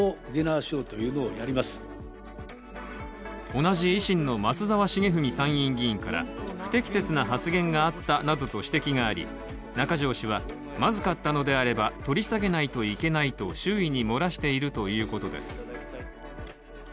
同じ維新の松沢成文参院議員から不適切な発言があったなどと指摘があり中条氏は、まずかったのであれば取り下げないといけないと周囲に漏らしているということです。